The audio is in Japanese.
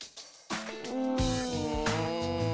うん。